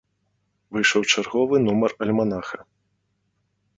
Выйшаў чарговы нумар альманаха.